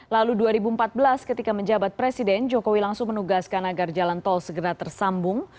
lalu dua ribu empat belas ketika menjabat presiden jokowi langsung menugaskan agar jalan tol segera tersambung